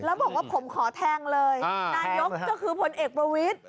แล้วบอกว่าผมขอแทงเลยนายกก็คือพลเอกประวิทธิ